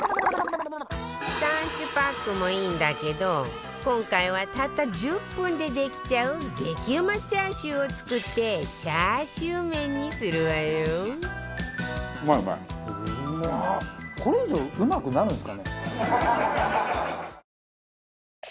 三種パックもいいんだけど今回はたった１０分でできちゃう激うまチャーシューを作ってチャーシュー麺にするわよを作ります。